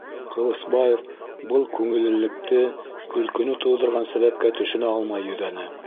Ҡылысбаев был күңеллелекте, көлкөнө тыуҙырған сәбәпкә төшөнә алмай йөҙәне.